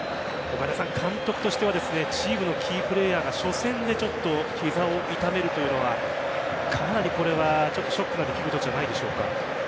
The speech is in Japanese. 監督としてはチームのキープレーヤーが初戦で膝を痛めるというのはかなりショックな出来事じゃないでしょうか。